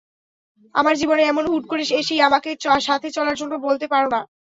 আমার জীবনে এমন হুট করে এসেই আমাকে সাথে চলার জন্য বলতে পারো না।